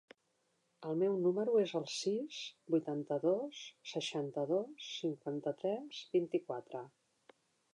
El meu número es el sis, vuitanta-dos, seixanta-dos, cinquanta-tres, vint-i-quatre.